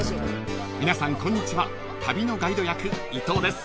［皆さんこんにちは旅のガイド役伊藤です］